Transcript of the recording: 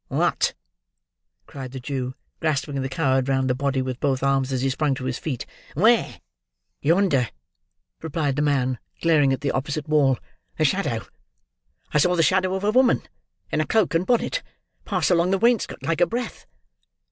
"What!" cried the Jew, grasping the coward round the body, with both arms, as he sprung to his feet. "Where?" "Yonder!" replied the man, glaring at the opposite wall. "The shadow! I saw the shadow of a woman, in a cloak and bonnet, pass along the wainscot like a breath!"